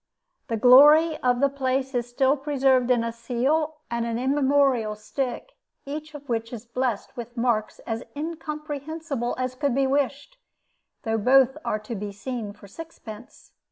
The glory of the place is still preserved in a seal and an immemorial stick, each of which is blessed with marks as incomprehensible as could be wished, though both are to be seen for sixpence.